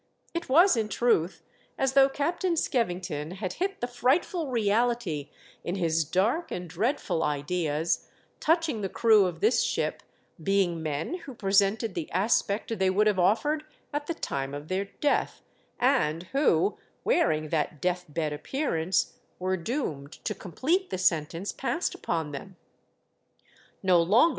It was, in truth, as though Captain vSkevington had hit the frightful reality in his dark and dreadful ideas touching the crew of this ship being men who presented the aspect they would have oftered at the time of their death, and who, wearing that death bed appearance, were doomed to complete the sentence passed upon them — no longer I I 2 THE DEATH SHIP.